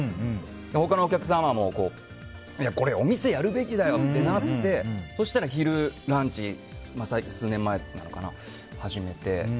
他のお客様もお店やるべきだよ！ってなってそうしたらランチを数年前から始めて。